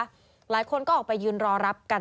หลายคนก็ออกไปยืนรอรับกัน